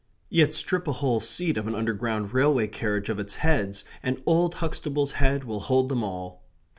Yet strip a whole seat of an underground railway carriage of its heads and old Huxtable's head will hold them all.